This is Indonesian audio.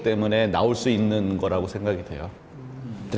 dan memberikan saya semuanya yang masih hidup